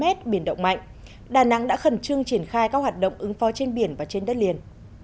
hết biển động mạnh đà nẵng đã khẩn trương triển khai các hoạt động ứng phó trên biển và trên đất liền